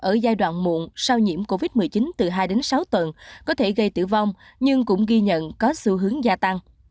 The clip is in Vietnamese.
ở giai đoạn muộn sau nhiễm covid một mươi chín từ hai đến sáu tuần có thể gây tử vong nhưng cũng ghi nhận có xu hướng gia tăng